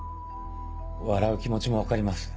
笑う気持ちも分かります。